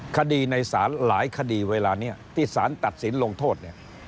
คดีในศาลหลายคดีเวลานี้ที่สารตัดสินลงโทษเนี่ย